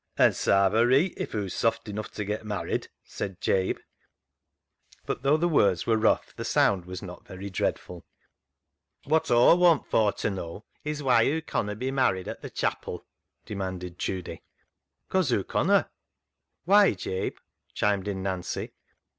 " An' sarve her reet if hoo's soft enough ta get married," said Jabe; but though the words were rough the sound was not very dreadful. " Wot Aw want for t' know is why hoo conna be married at th' chapel ?" demanded Judy. " 'Cause hoo conna." " Why, Jabe ?" chimed in Nancy.